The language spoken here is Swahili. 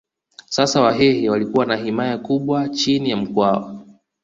Sasa Wahehe walikuwa na himaya kubwa chini ya Mkwawa